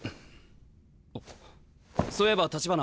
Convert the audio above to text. あそういえば橘。